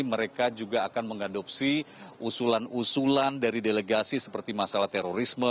mereka juga akan mengadopsi usulan usulan dari delegasi seperti masalah terorisme